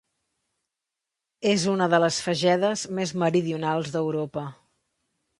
És una de les fagedes més meridionals d'Europa.